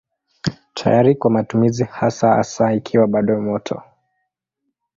Tayari kwa matumizi hasa hasa ikiwa bado moto.